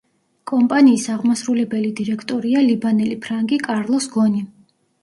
კომპანიის აღმასრულებელი დირექტორია ლიბანელი ფრანგი, კარლოს გონი.